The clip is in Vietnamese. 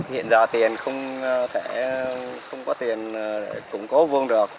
hiện giờ tiền không có tiền để củng cố vuông được